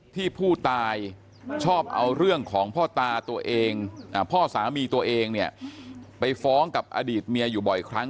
ที่ผู้ตายชอบเอาเรื่องของพ่อตาตัวเองพ่อสามีตัวเองเนี่ยไปฟ้องกับอดีตเมียอยู่บ่อยครั้ง